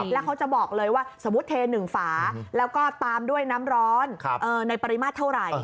แล้วเขาจะบอกเลยว่าสมมุติเท๑ฝาแล้วก็ตามด้วยน้ำร้อนในปริมาตรเท่าไหร่